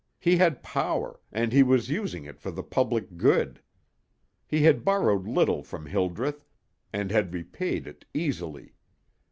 He had power, and he was using it for the public good. He had borrowed little from Hildreth, and had repaid it easily.